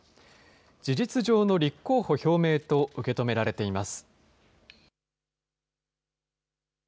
事実上の立候補表明と受け止められています。